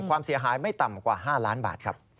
ความเสียหายไม่ต่ำกว่า๕ล้านบาทครับ